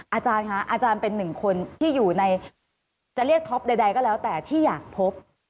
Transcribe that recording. อาจารย์คะอาจารย์เป็นหนึ่งคนที่อยู่ในจะเรียกท็อปใดก็แล้วแต่ที่อยากพบ